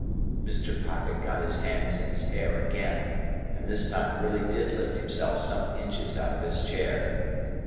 Mr. Pocket got his hands in his hair again, and this time really did lift himself some inches out of his chair.